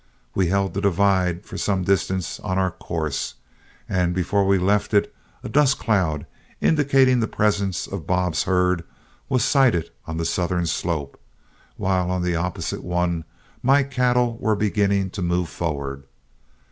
We held the divide for some distance on our course, and before we left it, a dust cloud, indicating the presence of Bob's herd, was sighted on the southern slope, while on the opposite one my cattle were beginning to move forward.